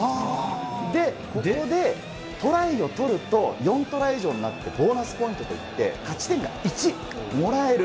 で、ここでトライを取ると、４トライ以上になってボーナスポイントといって、勝ち点が１もらえる。